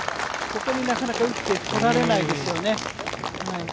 ここになかなか打ってこられないですよね。